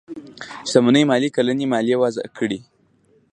شتمنيو ماليې کلنۍ ماليه وضعه کړي.